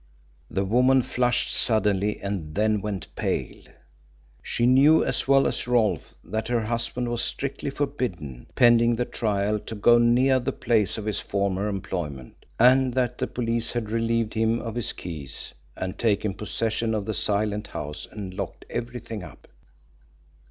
The woman flushed suddenly and then went pale. She knew as well as Rolfe that her husband was strictly forbidden, pending the trial, to go near the place of his former employment, and that the police had relieved him of his keys and taken possession of the silent house and locked everything up.